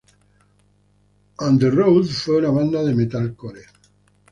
Underoath fue una banda de metalcore.